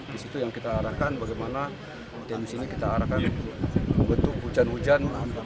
di situ yang kita arahkan bagaimana di sini kita arahkan bentuk hujan hujan